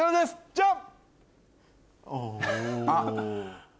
ジャン！